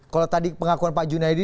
kalau tadi pengakuan pak junaidi